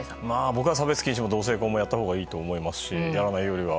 僕は差別禁止も同性婚もやったほうがいいと思いますしやらないよりは。